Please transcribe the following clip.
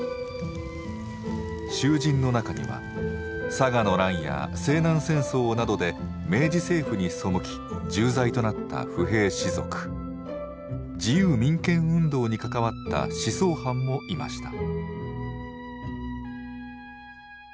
囚人の中には佐賀の乱や西南戦争などで明治政府に背き重罪となった不平士族自由民権運動に関わった思想犯もいました。